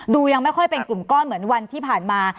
ยังไม่ค่อยเป็นกลุ่มก้อนเหมือนวันที่ผ่านมา